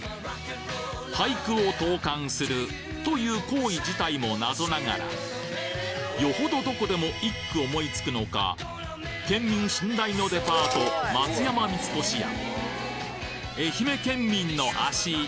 俳句を投函するという行為自体も謎ながらよほどどこでも一句思いつくのか県民信頼のデパート松山三越や愛媛県民の脚